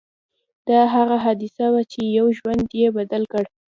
دا هغه حادثه وه چې يو ژوند يې بدل کړ.